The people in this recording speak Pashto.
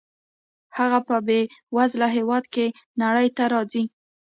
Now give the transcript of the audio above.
هغه په بې وزله هېواد کې نړۍ ته راځي.